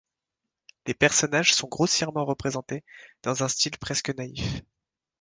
Les personnages sont grossièrement représentés, dans un style presque naïf.